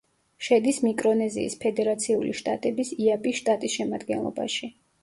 შედის მიკრონეზიის ფედერაციული შტატების იაპის შტატის შემადგენლობაში.